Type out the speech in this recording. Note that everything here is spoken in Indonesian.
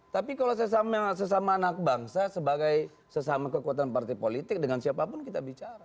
tapi kalau sesama anak bangsa sebagai sesama kekuatan partai politik dengan siapapun kita bicara